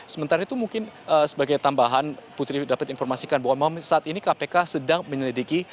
sementara itu mungkin sebagai tambahan putri dapat informasikan bahwa saat ini kpk sedang menyelidiki